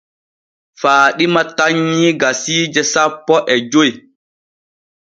Faaɗima tannyii gasiije sapo e joy.